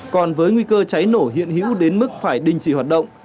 còn với nguy cơ cháy nổ hiện hữu đến mức phải đình chỉ hoạt động